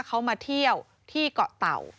เขามาเที่ยวที่เกาะเต่า